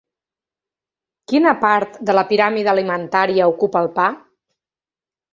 Quina part de la piràmide alimentària ocupa el pa?